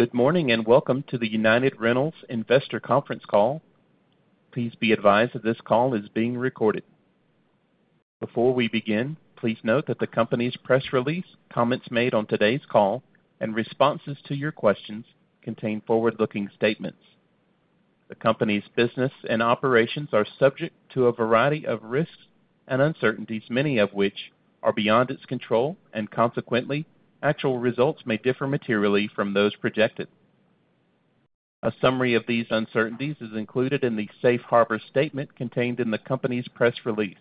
Good morning, and welcome to the United Rentals Investor Conference Call. Please be advised that this call is being recorded. Before we begin, please note that the company's press release, comments made on today's call, and responses to your questions contain forward-looking statements. The company's business and operations are subject to a variety of risks and uncertainties, many of which are beyond its control, and consequently, actual results may differ materially from those projected. A summary of these uncertainties is included in the safe harbor statement contained in the company's press release.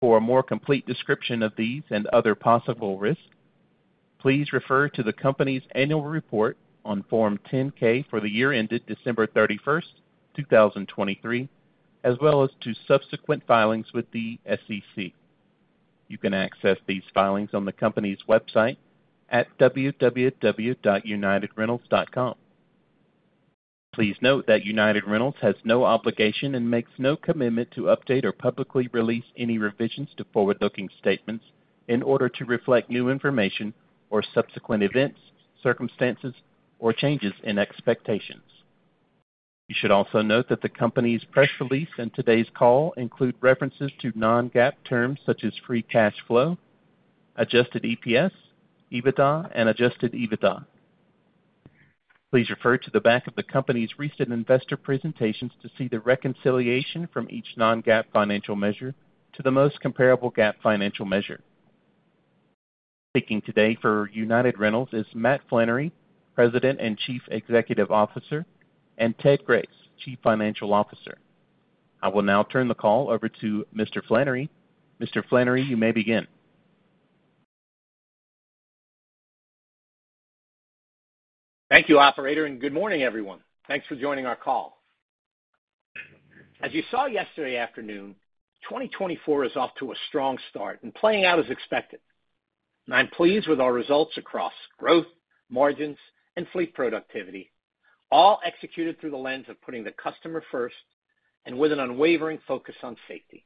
For a more complete description of these and other possible risks, please refer to the company's annual report on Form 10-K for the year ended December 31, 2023, as well as to subsequent filings with the SEC. You can access these filings on the company's website at www.unitedrentals.com. Please note that United Rentals has no obligation and makes no commitment to update or publicly release any revisions to forward-looking statements in order to reflect new information or subsequent events, circumstances, or changes in expectations. You should also note that the company's press release and today's call include references to non-GAAP terms such as free cash flow, adjusted EPS, EBITDA, and adjusted EBITDA. Please refer to the back of the company's recent investor presentations to see the reconciliation from each non-GAAP financial measure to the most comparable GAAP financial measure. Speaking today for United Rentals is Matt Flannery, President and Chief Executive Officer, and Ted Grace, Chief Financial Officer. I will now turn the call over to Mr. Flannery. Mr. Flannery, you may begin. Thank you, operator, and good morning, everyone. Thanks for joining our call. As you saw yesterday afternoon, 2024 is off to a strong start and playing out as expected. I'm pleased with our results across growth, margins, and fleet productivity, all executed through the lens of putting the customer first and with an unwavering focus on safety.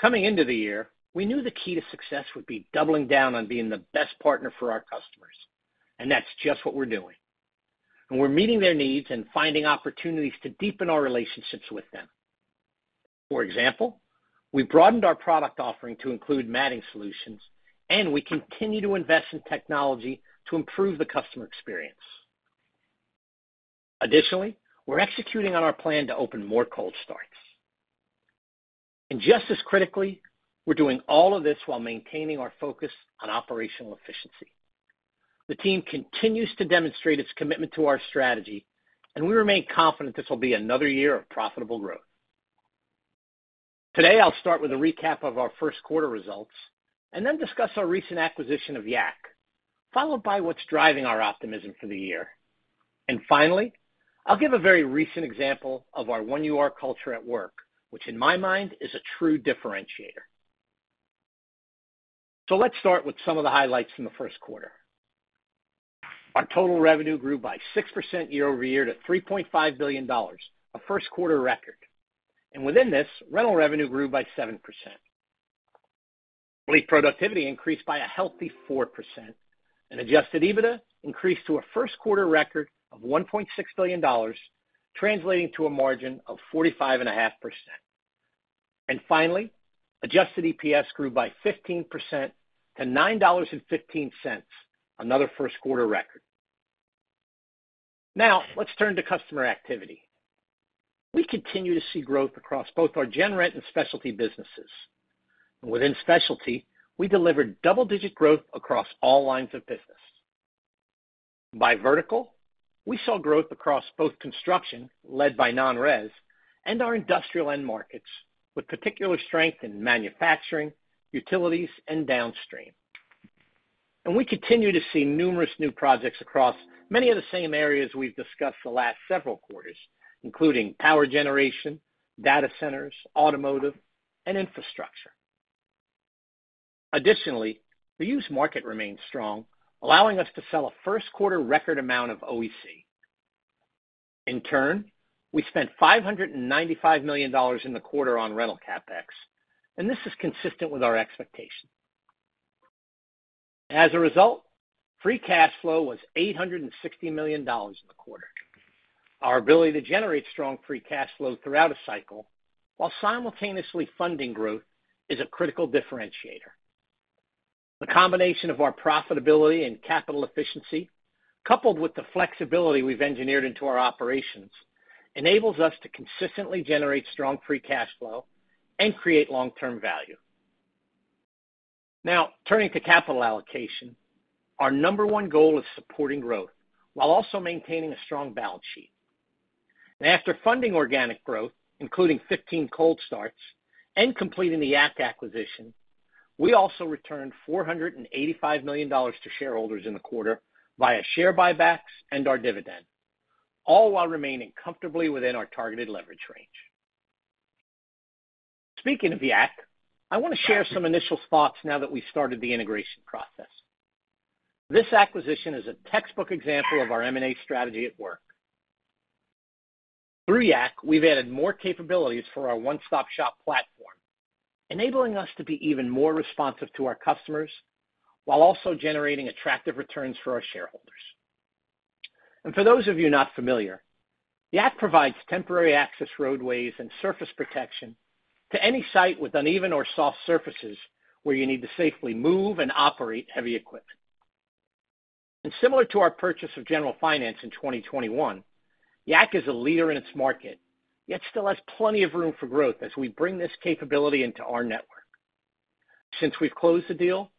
Coming into the year, we knew the key to success would be doubling down on being the best partner for our customers, and that's just what we're doing. We're meeting their needs and finding opportunities to deepen our relationships with them. For example, we broadened our product offering to include matting solutions, and we continue to invest in technology to improve the customer experience. Additionally, we're executing on our plan to open more cold starts. Just as critically, we're doing all of this while maintaining our focus on operational efficiency. The team continues to demonstrate its commitment to our strategy, and we remain confident this will be another year of profitable growth. Today, I'll start with a recap of our first quarter results and then discuss our recent acquisition of Yak, followed by what's driving our optimism for the year. And finally, I'll give a very recent example of our OneUR culture at work, which in my mind is a true differentiator. Let's start with some of the highlights from the first quarter. Our total revenue grew by 6% year-over-year to $3.5 billion, a first quarter record. And within this, rental revenue grew by 7%. Fleet productivity increased by a healthy 4%, and adjusted EBITDA increased to a first quarter record of $1.6 billion, translating to a margin of 45.5%. And finally, adjusted EPS grew by 15% to $9.15, another first quarter record. Now, let's turn to customer activity. We continue to see growth across both our Gen Rent and Specialty businesses. Within Specialty, we delivered double-digit growth across all lines of business. By vertical, we saw growth across both construction, led by non-res, and our industrial end markets, with particular strength in manufacturing, utilities, and downstream. And we continue to see numerous new projects across many of the same areas we've discussed the last several quarters, including power generation, data centers, automotive, and infrastructure. Additionally, the used market remains strong, allowing us to sell a first quarter record amount of OEC. In turn, we spent $595 million in the quarter on rental CapEx, and this is consistent with our expectation. As a result, free cash flow was $860 million in the quarter. Our ability to generate strong free cash flow throughout a cycle while simultaneously funding growth is a critical differentiator. The combination of our profitability and capital efficiency, coupled with the flexibility we've engineered into our operations, enables us to consistently generate strong free cash flow and create long-term value. Now, turning to capital allocation, our number one goal is supporting growth while also maintaining a strong balance sheet. And after funding organic growth, including 15 cold starts and completing the Yak acquisition, we also returned $485 million to shareholders in the quarter via share buybacks and our dividend, all while remaining comfortably within our targeted leverage range. Speaking of Yak, I wanna share some initial thoughts now that we've started the integration process. This acquisition is a textbook example of our M&A strategy at work. Through Yak, we've added more capabilities for our one-stop-shop platform, enabling us to be even more responsive to our customers, while also generating attractive returns for our shareholders. For those of you not familiar, Yak provides temporary access roadways and surface protection to any site with uneven or soft surfaces where you need to safely move and operate heavy equipment. Similar to our purchase of General Finance in 2021, Yak is a leader in its market, yet still has plenty of room for growth as we bring this capability into our network. Since we've closed the deal,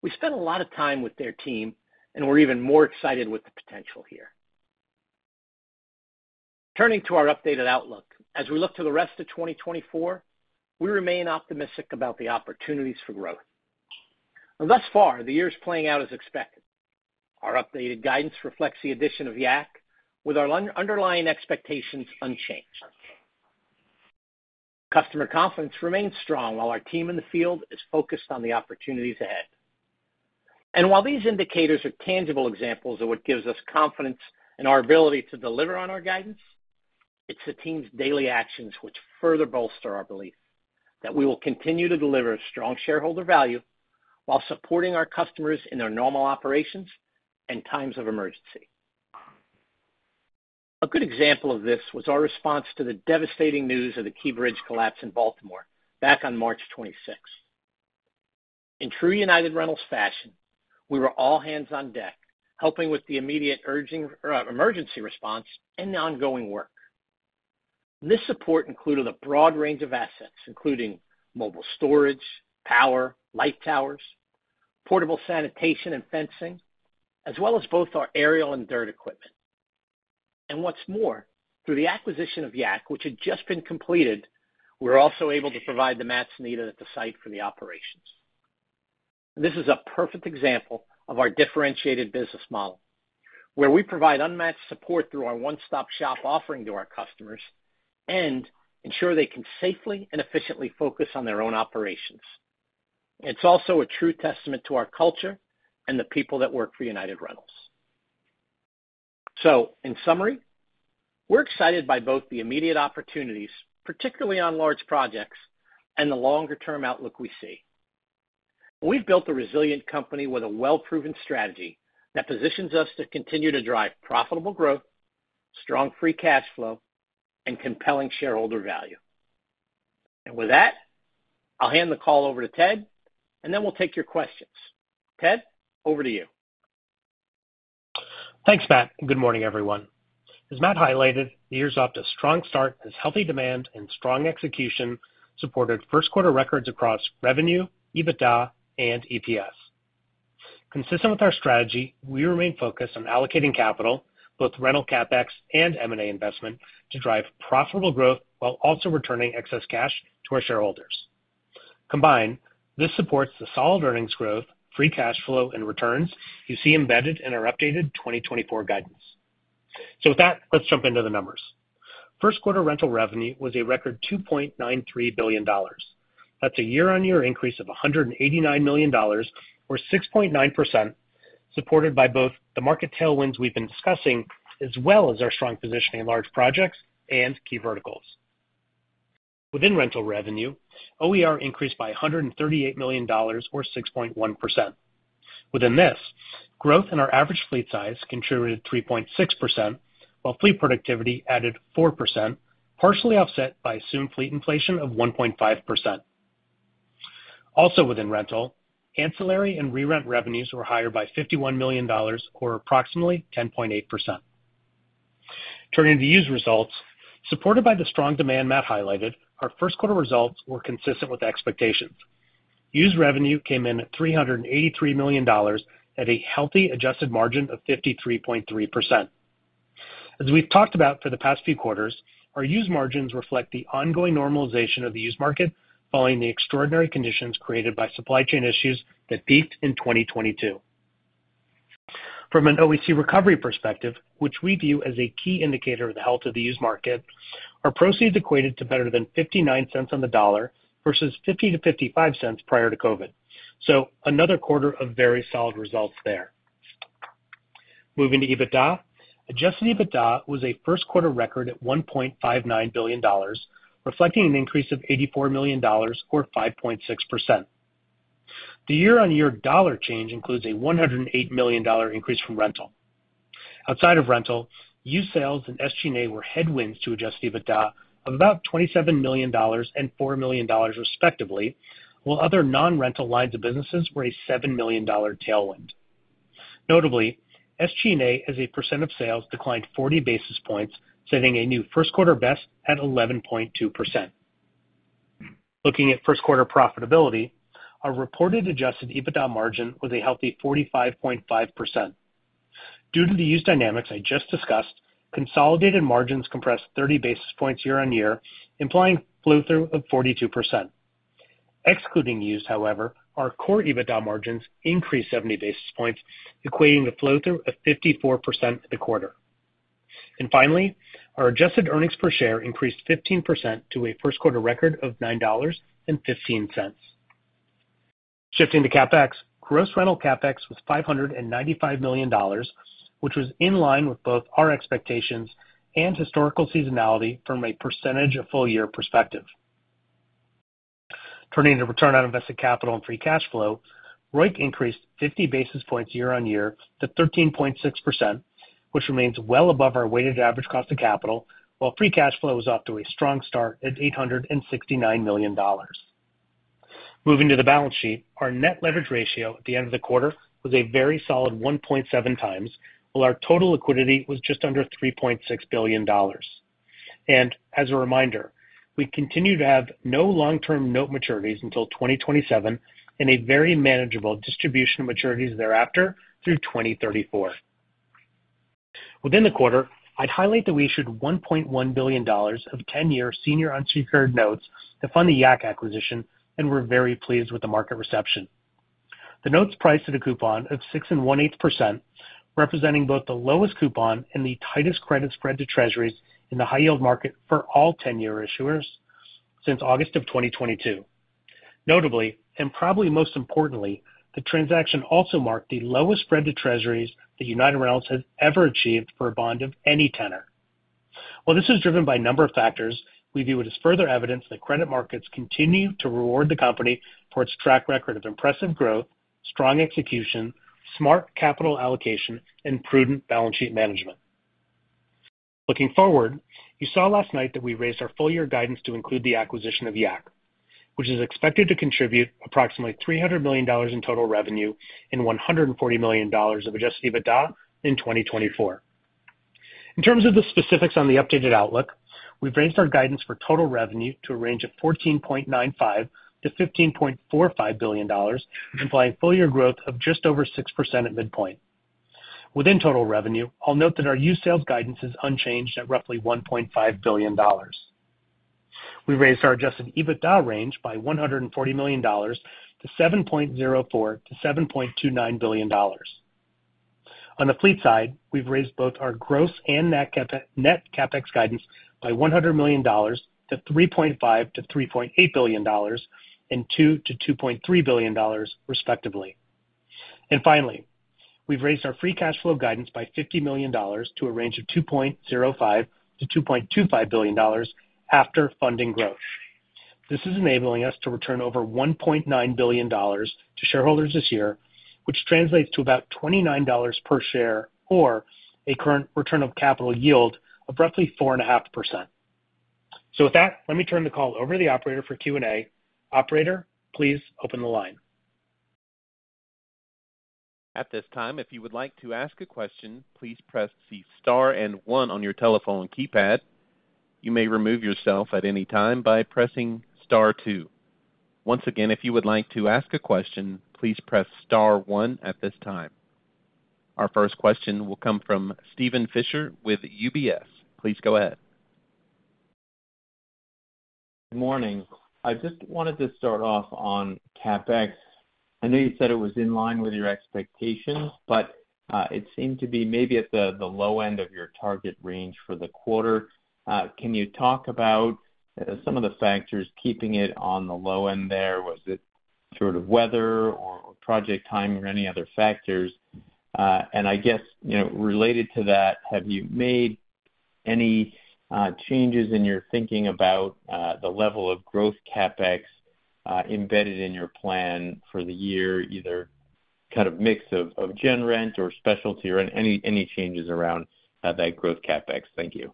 we've spent a lot of time with their team, and we're even more excited with the potential here. Turning to our updated outlook. As we look to the rest of 2024, we remain optimistic about the opportunities for growth. Thus far, the year is playing out as expected. Our updated guidance reflects the addition of Yak, with our underlying expectations unchanged. Customer confidence remains strong, while our team in the field is focused on the opportunities ahead. While these indicators are tangible examples of what gives us confidence in our ability to deliver on our guidance, it's the team's daily actions which further bolster our belief that we will continue to deliver strong shareholder value while supporting our customers in their normal operations and times of emergency. A good example of this was our response to the devastating news of the Key Bridge collapse in Baltimore back on March 26. In true United Rentals fashion, we were all hands on deck, helping with the immediate urgent emergency response and the ongoing work. This support included a broad range of assets, including mobile storage, power, light towers, portable sanitation and fencing, as well as both our aerial and dirt equipment. And what's more, through the acquisition of Yak, which had just been completed, we were also able to provide the mats needed at the site for the operations. This is a perfect example of our differentiated business model, where we provide unmatched support through our one-stop-shop offering to our customers and ensure they can safely and efficiently focus on their own operations. It's also a true testament to our culture and the people that work for United Rentals. So in summary, we're excited by both the immediate opportunities, particularly on large projects and the longer-term outlook we see. We've built a resilient company with a well-proven strategy that positions us to continue to drive profitable growth, strong free cash flow, and compelling shareholder value. With that, I'll hand the call over to Ted, and then we'll take your questions. Ted, over to you. Thanks, Matt, and good morning, everyone. As Matt highlighted, the year's off to a strong start as healthy demand and strong execution supported first quarter records across revenue, EBITDA, and EPS. Consistent with our strategy, we remain focused on allocating capital, both rental CapEx and M&A investment, to drive profitable growth while also returning excess cash to our shareholders. Combined, this supports the solid earnings growth, free cash flow, and returns you see embedded in our updated 2024 guidance. So with that, let's jump into the numbers. First quarter rental revenue was a record $2.93 billion. That's a year-on-year increase of $189 million, or 6.9%, supported by both the market tailwinds we've been discussing, as well as our strong positioning in large projects and key verticals. Within rental revenue, OER increased by $138 million, or 6.1%. Within this, growth in our average fleet size contributed 3.6%, while fleet productivity added 4%, partially offset by assumed fleet inflation of 1.5%. Also within rental, ancillary and re-rent revenues were higher by $51 million, or approximately 10.8%. Turning to used results. Supported by the strong demand Matt highlighted, our first quarter results were consistent with expectations. Used revenue came in at $383 million at a healthy adjusted margin of 53.3%. As we've talked about for the past few quarters, our used margins reflect the ongoing normalization of the used market following the extraordinary conditions created by supply chain issues that peaked in 2022. From an OEC recovery perspective, which we view as a key indicator of the health of the used market, our proceeds equated to better than $0.59 on the dollar versus $0.50-$0.55 prior to COVID. So another quarter of very solid results there. Moving to EBITDA. Adjusted EBITDA was a first quarter record at $1.59 billion, reflecting an increase of $84 million, or 5.6%. The year-on-year dollar change includes a $108 million increase from rental. Outside of rental, used sales and SG&A were headwinds to adjusted EBITDA of about $27 million and $4 million, respectively, while other non-rental lines of businesses were a $7 million tailwind. Notably, SG&A, as a percent of sales, declined 40 basis points, setting a new first quarter best at 11.2%. Looking at first quarter profitability, our reported adjusted EBITDA margin was a healthy 45.5%. Due to the used dynamics I just discussed, consolidated margins compressed 30 basis points year-on-year, implying flow-through of 42%. Excluding used, however, our core EBITDA margins increased 70 basis points, equating to flow-through of 54% in the quarter. And finally, our adjusted earnings per share increased 15% to a first quarter record of $9.15. Shifting to CapEx, gross rental CapEx was $595 million, which was in line with both our expectations and historical seasonality from a percentage of full year perspective. Turning to return on invested capital and free cash flow, ROIC increased 50 basis points year-on-year to 13.6%, which remains well above our weighted average cost of capital, while free cash flow is off to a strong start at $869 million. Moving to the balance sheet, our net leverage ratio at the end of the quarter was a very solid 1.7 times, while our total liquidity was just under $3.6 billion. And as a reminder, we continue to have no long-term note maturities until 2027 and a very manageable distribution of maturities thereafter through 2034. Within the quarter, I'd highlight that we issued $1.1 billion of 10-year senior unsecured notes to fund the Yak acquisition, and we're very pleased with the market reception. The notes priced at a coupon of 6 1/8%, representing both the lowest coupon and the tightest credit spread to Treasuries in the high yield market for all 10-year issuers since August of 2022. Notably, and probably most importantly, the transaction also marked the lowest spread to Treasuries that United Rentals has ever achieved for a bond of any tenor. While this is driven by a number of factors, we view it as further evidence that credit markets continue to reward the company for its track record of impressive growth, strong execution, smart capital allocation, and prudent balance sheet management. Looking forward, you saw last night that we raised our full year guidance to include the acquisition of Yak, which is expected to contribute approximately $300 million in total revenue and $140 million of Adjusted EBITDA in 2024. In terms of the specifics on the updated outlook, we've raised our guidance for total revenue to a range of $14.95 billion-$15.45 billion, implying full year growth of just over 6% at midpoint. Within total revenue, I'll note that our used sales guidance is unchanged at roughly $1.5 billion. We raised our Adjusted EBITDA range by $140 million to $7.04 billion-$7.29 billion. On the fleet side, we've raised both our gross and net CapEx, net CapEx guidance by $100 million to $3.5 billion-$3.8 billion and $2 billion-$2.3 billion, respectively. Finally, we've raised our free cash flow guidance by $50 million to a range of $2.05-$2.25 billion after funding growth. This is enabling us to return over $1.9 billion to shareholders this year, which translates to about $29 per share or a current return of capital yield of roughly 4.5%. So with that, let me turn the call over to the operator for Q&A. Operator, please open the line. At this time, if you would like to ask a question, please press the star and one on your telephone keypad. You may remove yourself at any time by pressing star two. Once again, if you would like to ask a question, please press star one at this time. Our first question will come from Steven Fisher with UBS. Please go ahead. Good morning. I just wanted to start off on CapEx. I know you said it was in line with your expectations, but it seemed to be maybe at the low end of your target range for the quarter. Can you talk about some of the factors keeping it on the low end there? Was it sort of weather or project timing or any other factors? And I guess, you know, related to that, have you made any changes in your thinking about the level of growth CapEx embedded in your plan for the year, either kind of mix of Gen Rent or Specialty or any changes around that growth CapEx? Thank you.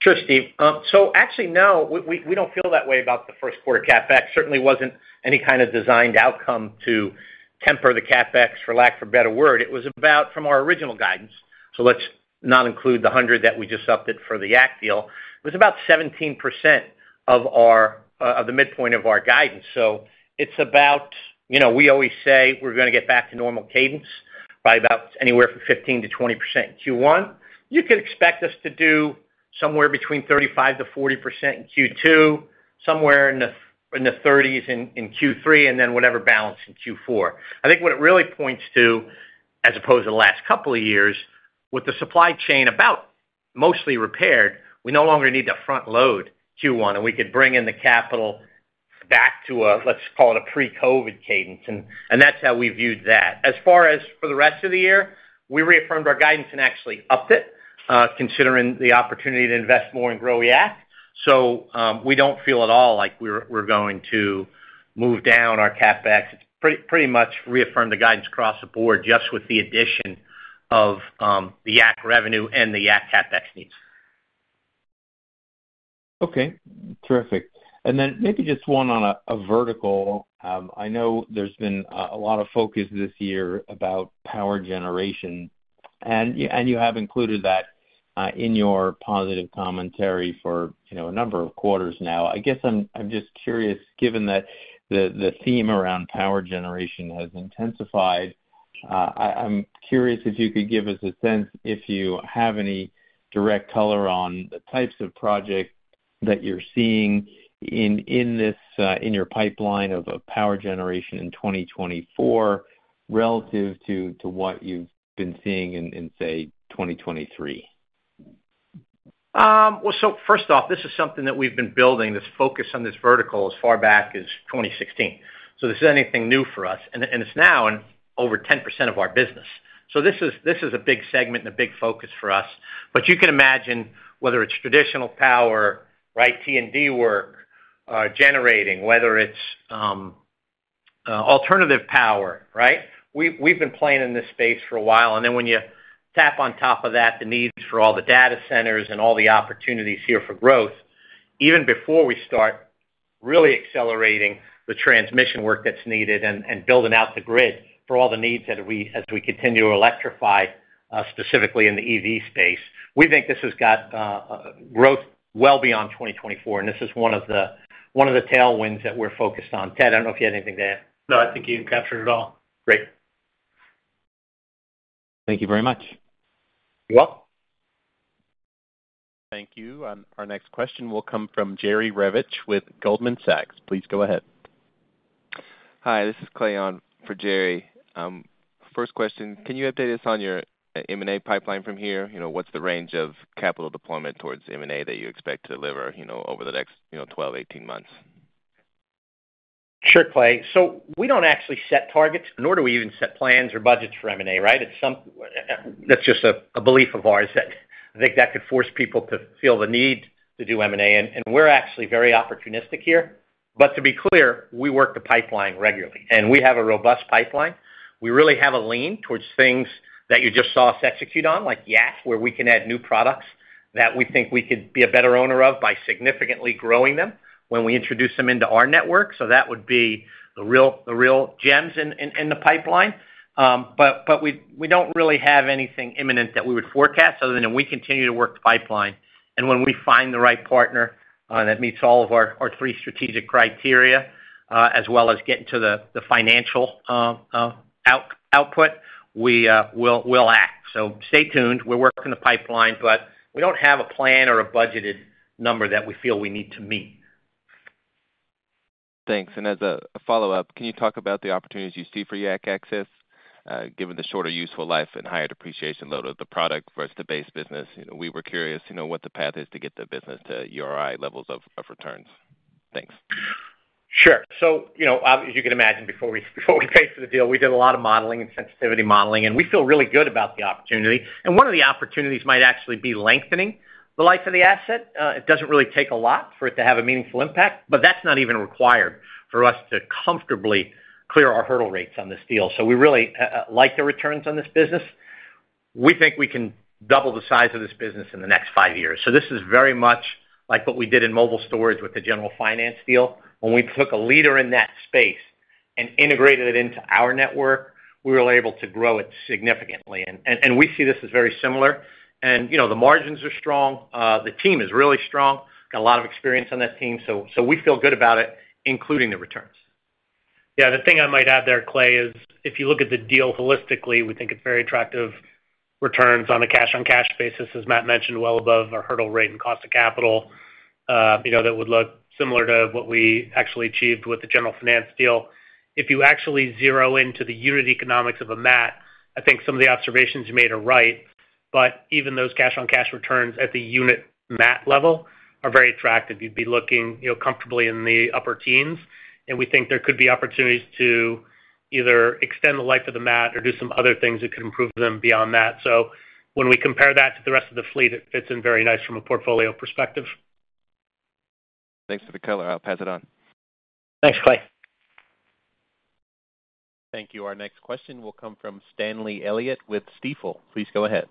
Sure, Steve. So actually, no, we don't feel that way about the first quarter CapEx. Certainly wasn't any kind of designed outcome to temper the CapEx, for lack of a better word. It was about from our original guidance, so let's not include the 100 that we just upped it for the Yak deal. It was about 17% of our of the midpoint of our guidance. So it's about, you know, we always say we're gonna get back to normal cadence by about anywhere from 15%-20% in Q1. You could expect us to do somewhere between 35%-40% in Q2, somewhere in the 30s in Q3, and then whatever balance in Q4. I think what it really points to, as opposed to the last couple of years, with the supply chain about mostly repaired, we no longer need to front load Q1, and we could bring in the capital back to a, let's call it a pre-COVID cadence, and that's how we viewed that. As far as for the rest of the year, we reaffirmed our guidance and actually upped it, considering the opportunity to invest more and grow Yak. So, we don't feel at all like we're going to move down our CapEx. Pretty much reaffirmed the guidance across the board, just with the addition of the Yak revenue and the Yak CapEx needs. Okay, terrific. And then maybe just one on a vertical. I know there's been a lot of focus this year about power generation, and you have included that in your positive commentary for, you know, a number of quarters now. I guess I'm just curious, given that the theme around power generation has intensified, I'm curious if you could give us a sense, if you have any direct color on the types of projects that you're seeing in this in your pipeline of power generation in 2024 relative to what you've been seeing in, say, 2023?... Well, so first off, this is something that we've been building, this focus on this vertical, as far back as 2016. So this isn't anything new for us, and, and it's now in over 10% of our business. So this is, this is a big segment and a big focus for us. But you can imagine whether it's traditional power, right, T&D work, generating, whether it's alternative power, right? We've, we've been playing in this space for a while, and then when you tap on top of that, the needs for all the data centers and all the opportunities here for growth, even before we start really accelerating the transmission work that's needed and, and building out the grid for all the needs that we- as we continue to electrify, specifically in the EV space. We think this has got growth well beyond 2024, and this is one of the tailwinds that we're focused on. Ted, I don't know if you have anything to add. No, I think you captured it all. Great. Thank you very much. You're welcome. Thank you. Our next question will come from Jerry Revich with Goldman Sachs. Please go ahead. Hi, this is Clay on for Jerry. First question, can you update us on your M&A pipeline from here? You know, what's the range of capital deployment towards M&A that you expect to deliver, you know, over the next, you know, 12-18 months? Sure, Clay. So we don't actually set targets, nor do we even set plans or budgets for M&A, right? It's that's just a belief of ours that I think that could force people to feel the need to do M&A, and we're actually very opportunistic here. But to be clear, we work the pipeline regularly, and we have a robust pipeline. We really have a lean towards things that you just saw us execute on, like Yak, where we can add new products that we think we could be a better owner of by significantly growing them when we introduce them into our network. So that would be the real, the real gems in the pipeline. But we don't really have anything imminent that we would forecast other than we continue to work the pipeline. When we find the right partner that meets all of our three strategic criteria, as well as getting to the financial output, we'll act. So stay tuned. We're working the pipeline, but we don't have a plan or a budgeted number that we feel we need to meet. Thanks. And as a follow-up, can you talk about the opportunities you see for Yak Access, given the shorter useful life and higher depreciation load of the product versus the base business? You know, we were curious, you know, what the path is to get the business to URI levels of returns. Thanks. Sure. So, you know, as you can imagine, before we paid for the deal, we did a lot of modeling and sensitivity modeling, and we feel really good about the opportunity. And one of the opportunities might actually be lengthening the life of the asset. It doesn't really take a lot for it to have a meaningful impact, but that's not even required for us to comfortably clear our hurdle rates on this deal. So we really like the returns on this business. We think we can double the size of this business in the next five years. So this is very much like what we did in mobile storage with the General Finance deal. When we took a leader in that space and integrated it into our network, we were able to grow it significantly. We see this as very similar. You know, the margins are strong. The team is really strong, got a lot of experience on that team, so we feel good about it, including the returns. Yeah, the thing I might add there, Clay, is if you look at the deal holistically, we think it's very attractive returns on a cash-on-cash basis, as Matt mentioned, well above our hurdle rate and cost of capital. You know, that would look similar to what we actually achieved with the General Finance deal. If you actually zero into the unit economics of a mat, I think some of the observations you made are right, but even those cash-on-cash returns at the unit mat level are very attractive. You'd be looking, you know, comfortably in the upper teens, and we think there could be opportunities to either extend the life of the mat or do some other things that could improve them beyond that. So when we compare that to the rest of the fleet, it fits in very nice from a portfolio perspective. Thanks for the color. I'll pass it on. Thanks, Clay. Thank you. Our next question will come from Stanley Elliott with Stifel. Please go ahead.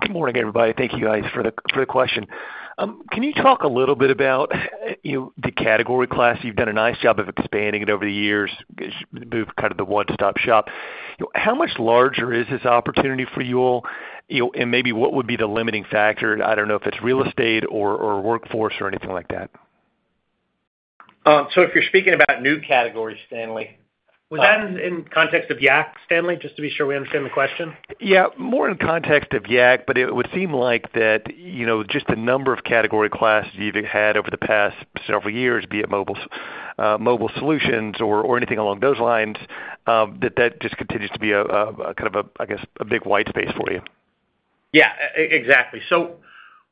Good morning, everybody. Thank you, guys, for the question. Can you talk a little bit about, you know, the category class? You've done a nice job of expanding it over the years, moved kind of the one-stop shop. How much larger is this opportunity for you all, you know, and maybe what would be the limiting factor? I don't know if it's real estate or workforce or anything like that. So if you're speaking about new categories, Stanley- Was that in context of Yak, Stanley, just to be sure we understand the question? Yeah, more in context of Yak, but it would seem like that, you know, just the number of category classes you've had over the past several years, be it mobile solutions or, or anything along those lines, that that just continues to be a, a, a kind of a, I guess, a big white space for you. Yeah, exactly. So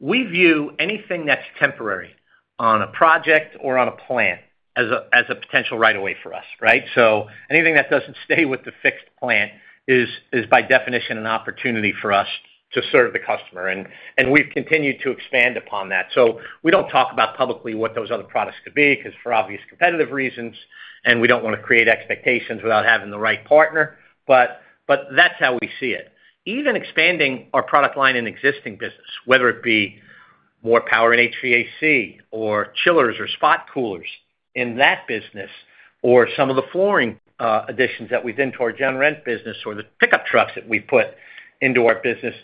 we view anything that's temporary on a project or on a plan as a potential right of way for us, right? So anything that doesn't stay with the fixed plan is by definition an opportunity for us to serve the customer, and we've continued to expand upon that. So we don't talk about publicly what those other products could be, because for obvious competitive reasons, and we don't wanna create expectations without having the right partner. But that's how we see it. Even expanding our product line in existing business, whether it be more power in HVAC or chillers or spot coolers in that business, or some of the flooring additions that we've done to our general rental business or the pickup trucks that we've put into our business,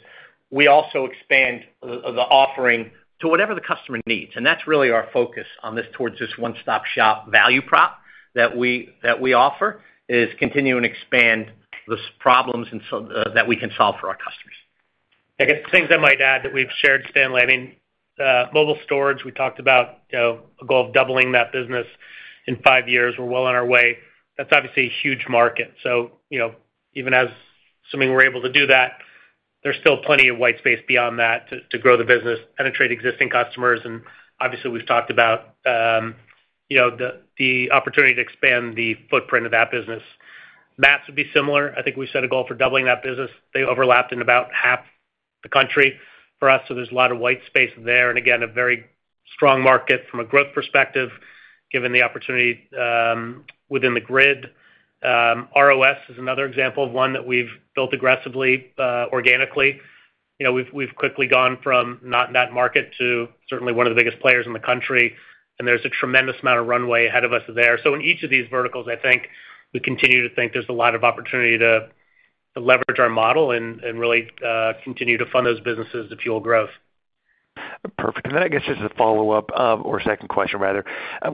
we also expand the offering to whatever the customer needs, and that's really our focus on this, towards this one-stop shop value prop that we offer, is continue and expand the problems and so that we can solve for our customers. I guess the things I might add that we've shared, Stanley, I mean- ... Mobile storage, we talked about, you know, a goal of doubling that business in five years. We're well on our way. That's obviously a huge market. So, you know, even as assuming we're able to do that, there's still plenty of white space beyond that to, to grow the business, penetrate existing customers, and obviously, we've talked about, you know, the, the opportunity to expand the footprint of that business. Mats would be similar. I think we set a goal for doubling that business. They overlapped in about half the country for us, so there's a lot of white space there, and again, a very strong market from a growth perspective, given the opportunity, within the grid. ROS is another example of one that we've built aggressively, organically. You know, we've quickly gone from not in that market to certainly one of the biggest players in the country, and there's a tremendous amount of runway ahead of us there. So in each of these verticals, I think we continue to think there's a lot of opportunity to leverage our model and really continue to fund those businesses to fuel growth. Perfect. And then I guess just a follow-up, or second question, rather.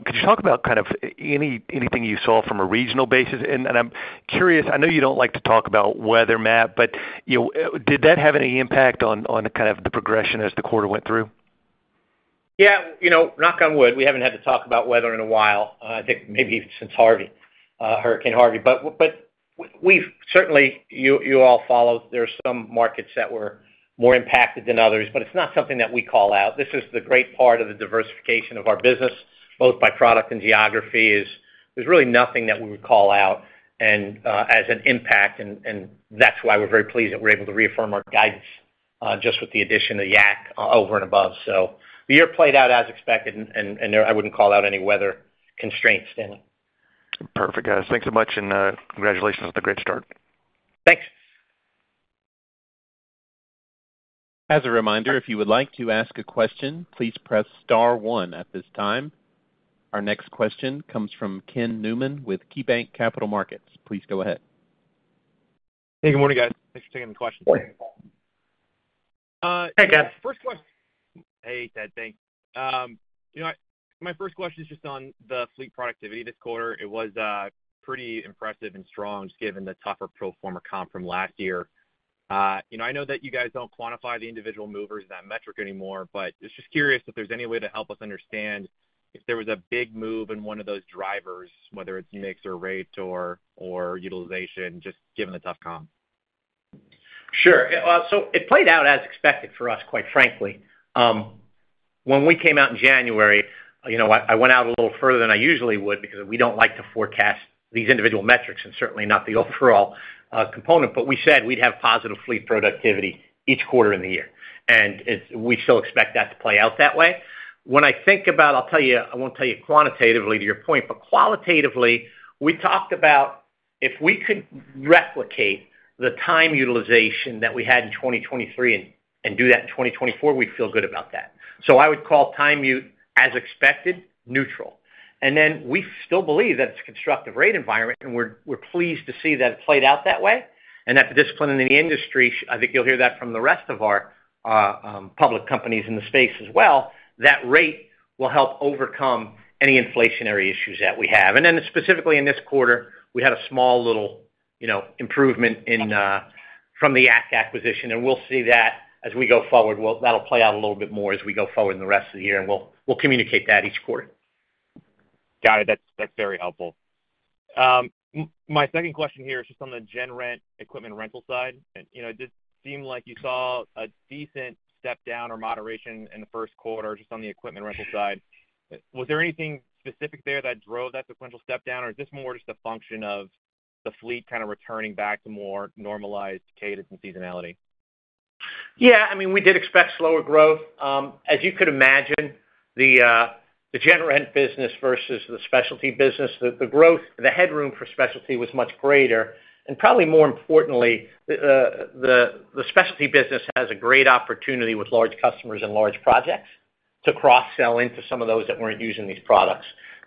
Could you talk about kind of anything you saw from a regional basis? And I'm curious, I know you don't like to talk about weather, but you did that have any impact on kind of the progression as the quarter went through? Yeah, you know, knock on wood, we haven't had to talk about weather in a while. I think maybe even since Harvey, Hurricane Harvey. But we've certainly, you all follow, there are some markets that were more impacted than others, but it's not something that we call out. This is the great part of the diversification of our business, both by product and geography, is there's really nothing that we would call out and as an impact, and that's why we're very pleased that we're able to reaffirm our guidance, just with the addition of Yak over and above. So the year played out as expected, and I wouldn't call out any weather constraints, Stanley. Perfect, guys. Thanks so much, and congratulations on the great start. Thanks! As a reminder, if you would like to ask a question, please press star one at this time. Our next question comes from Ken Newman with KeyBanc Capital Markets. Please go ahead. Hey, good morning, guys. Thanks for taking the question. Morning. Hey, guys. First question. Hey, Ted. Thanks. You know what? My first question is just on the fleet productivity this quarter. It was pretty impressive and strong, just given the tougher pro forma comp from last year. You know, I know that you guys don't quantify the individual movers in that metric anymore, but I was just curious if there's any way to help us understand if there was a big move in one of those drivers, whether it's mix or rate or utilization, just given the tough comp. Sure. So it played out as expected for us, quite frankly. When we came out in January, you know, I went out a little further than I usually would because we don't like to forecast these individual metrics and certainly not the overall component. But we said we'd have positive fleet productivity each quarter in the year, and it's... we still expect that to play out that way. When I think about... I'll tell you, I won't tell you quantitatively to your point, but qualitatively, we talked about if we could replicate the time utilization that we had in 2023 and do that in 2024, we'd feel good about that. So I would call time utilization muted, as expected, neutral. And then we still believe that it's a constructive rate environment, and we're, we're pleased to see that it played out that way, and that the discipline in the industry, I think you'll hear that from the rest of our public companies in the space as well, that rate will help overcome any inflationary issues that we have. And then specifically in this quarter, we had a small little, you know, improvement in, from the Yak acquisition, and we'll see that as we go forward. Well, that'll play out a little bit more as we go forward in the rest of the year, and we'll, we'll communicate that each quarter. Got it. That's, that's very helpful. My second question here is just on the Gen Rent equipment rental side. You know, it did seem like you saw a decent step down or moderation in the first quarter just on the equipment rental side. Was there anything specific there that drove that sequential step down, or is this more just a function of the fleet kind of returning back to more normalized cadence and seasonality? Yeah, I mean, we did expect slower growth. As you could imagine, the Gen Rent business versus the Specialty business, the growth, the headroom for Specialty was much greater. And probably more importantly, the Specialty business has a great opportunity with large customers and large projects to cross-sell into some of those that weren't using these products.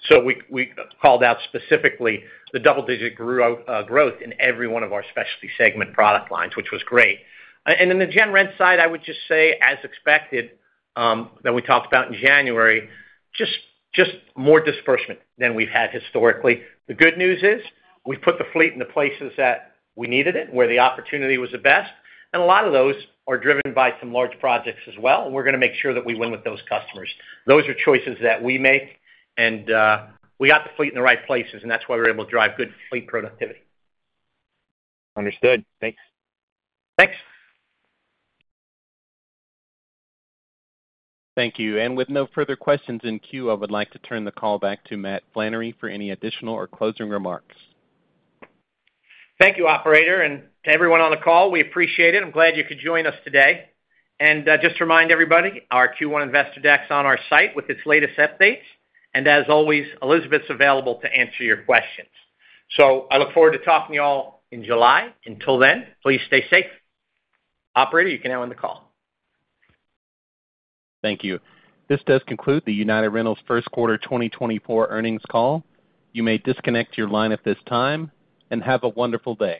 So we called out specifically the double-digit growth in every one of our Specialty segment product lines, which was great. And then the Gen Rent side, I would just say, as expected, that we talked about in January, just more disbursement than we've had historically. The good news is, we've put the fleet in the places that we needed it, where the opportunity was the best, and a lot of those are driven by some large projects as well, and we're gonna make sure that we win with those customers. Those are choices that we make, and we got the fleet in the right places, and that's why we're able to drive good fleet productivity. Understood. Thanks. Thanks. Thank you. With no further questions in queue, I would like to turn the call back to Matt Flannery for any additional or closing remarks. Thank you, operator, and to everyone on the call, we appreciate it. I'm glad you could join us today. Just to remind everybody, our Q1 investor deck is on our site with its latest updates, and as always, Elizabeth's available to answer your questions. I look forward to talking to you all in July. Until then, please stay safe. Operator, you can end the call. Thank you. This does conclude the United Rentals first quarter 2024 earnings call. You may disconnect your line at this time, and have a wonderful day.